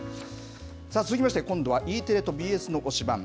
続きまして、今度はＥテレとＢＳの推しバン！